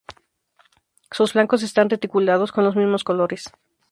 Sus flancos están reticulados con los mismos colores.